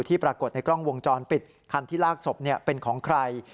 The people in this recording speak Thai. ปรากฏในกล้องวงจรปิดคันที่ลากศพเป็นของใคร